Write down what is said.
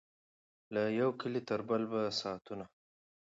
له یوه کلي تر بل به ساعتونه